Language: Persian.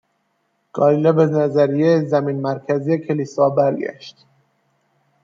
گالیله به نظریه زمین مرکزی کلیسا برگشت،